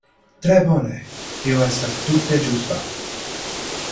Tre bone; tio estas tute ĝusta.